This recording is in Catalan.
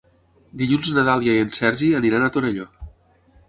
Dilluns na Dàlia i en Sergi aniran a Torelló.